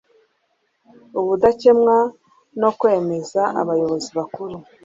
ubudakemwa no kwemeza abayobozi bakuru